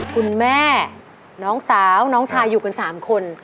คุณแม่น้องสาวน้องชายอยู่กัน๓คน